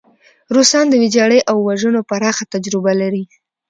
روسان د ویجاړۍ او وژنو پراخه تجربه لري.